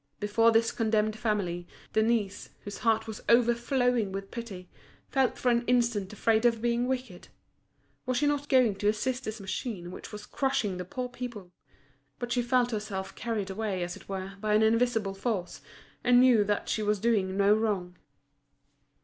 Before this condemned family, Denise, whose heart was overflowing with pity, felt for an instant afraid of being wicked. Was she not going to assist this machine which was crushing the poor people? But she felt herself carried away as it were by an invisible force, and knew that she was doing no wrong.